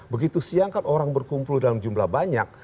begitu siang kan orang berkumpul dalam jumlah banyak